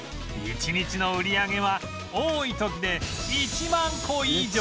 １日の売り上げは多い時で１万個以上